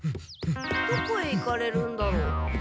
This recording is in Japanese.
どこへ行かれるんだろう？さあ？